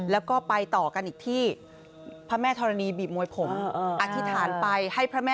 แล้วก็ไปต่อกันอีกที่พระมเมธรณีบิบมวยผม